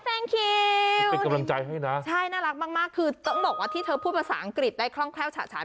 แซงคิวเป็นกำลังใจให้นะใช่น่ารักมากมากคือต้องบอกว่าที่เธอพูดภาษาอังกฤษได้คล่องแคล่วฉะฉัน